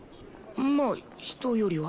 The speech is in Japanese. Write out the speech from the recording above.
まあ人よりは。